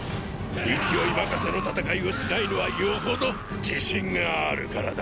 勢い任せの戦いをしないのはよほど自信があるからだ。